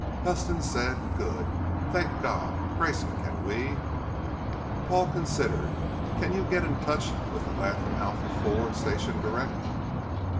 Huston said "Good. Thank God. Grayson, can we ?" Paul considered. "Can you get in touch with the Latham Alpha IV Station direct?"